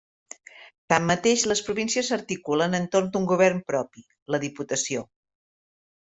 Tanmateix les províncies s'articulen entorn un govern propi: la diputació.